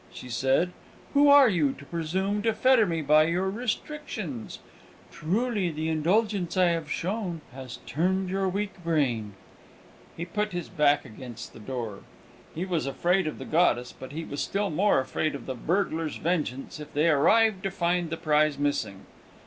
she said. "Who are you, to presume to fetter me by your restrictions? Truly, the indulgence I have shown has turned your weak brain." He put his back against the door. He was afraid of the goddess, but he was still more afraid of the burglars' vengeance if they arrived to find the prize missing.